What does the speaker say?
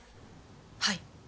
はい。